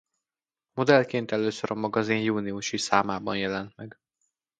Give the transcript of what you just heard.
Modellként először a magazin júniusi számában jelent meg.